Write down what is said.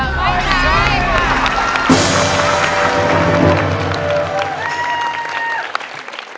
ใช้หรือไม่ใช้ครับไม่ใช้ครับ